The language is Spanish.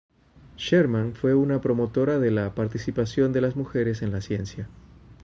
Sherman fue una promotora de la participación de las mujeres en la ciencia.